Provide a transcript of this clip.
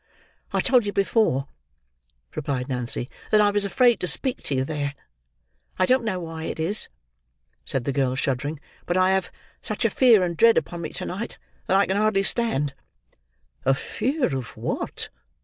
"I told you before," replied Nancy, "that I was afraid to speak to you there. I don't know why it is," said the girl, shuddering, "but I have such a fear and dread upon me to night that I can hardly stand." "A fear of what?"